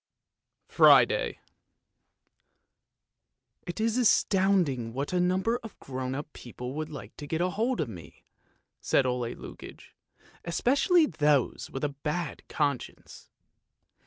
FRIDAY " It is astounding what a number of grown up people would like to get hold of me! " said Ole Lukoie, " especially those with a bad conscience.